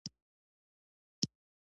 زموږ مخ مه ماتوه موږ یې په هر څه قبلوو.